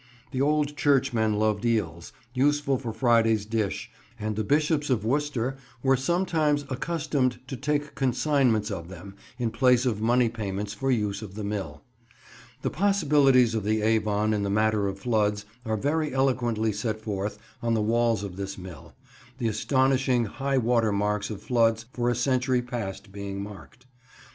The old churchmen loved eels, useful for Friday's dish, and the Bishops of Worcester were sometimes accustomed to take consignments of them in place of money payments for use of the mill. The possibilities of the Avon in the matter of floods are very eloquently set forth on the walls of this mill: the astonishing high water marks of floods for a century past being marked.